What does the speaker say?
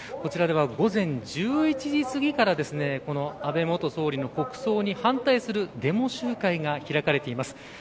午前１１時過ぎからこの安倍元総理の国葬に反対するデモ集会が開かれています。